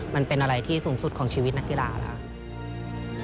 มันเป็นอะไรที่สูงสุดของชีวิตนักกีฬาแล้ว